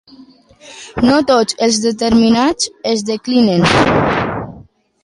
No tots els determinants es declinen.